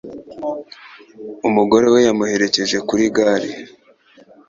Umugore we yamuherekeje kuri gare.